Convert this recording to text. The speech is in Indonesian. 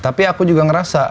tapi aku juga ngerasa